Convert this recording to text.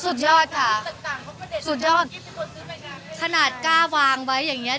สุดยอดค่ะสุดยอดสุดขนาดกล้าวางไว้อย่างเงี้